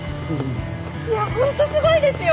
いや本当すごいですよ！